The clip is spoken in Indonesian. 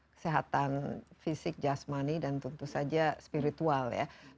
kesehatan fisik just money dan tentu saja spiritual ya